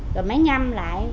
rồi mới ngâm lại